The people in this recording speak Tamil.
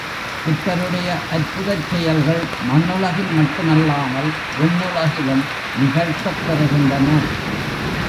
புத்தருடைய அற்புதச் செயல்கள் மண்ணுலகில் மட்டுமல்லாமல் விண்ணுலகிலும் நிகழ்த்தப்பெறுகின்றன.